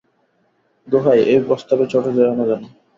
দোহাই, এই প্রস্তাবে চটে যেও না যেন।